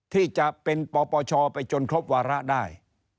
ที่จะเป็นปปชไปจนครบวาระได้